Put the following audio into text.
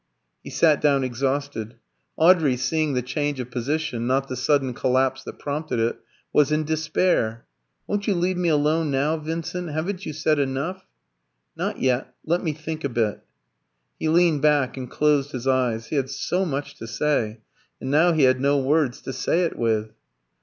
He sat down exhausted. Audrey, seeing the change of position, not the sudden collapse that prompted it, was in despair. "Won't you leave me alone now, Vincent? Haven't you said enough?" "Not yet. Let me think a bit." He leaned back and closed his eyes. He had so much to say, and now he had no words to say it with.